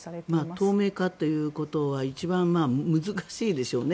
透明化ということは一番難しいでしょうね。